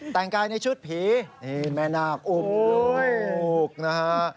แต่งกายในชุดผีนี่แม่นาคอุ้มลูกนะฮะ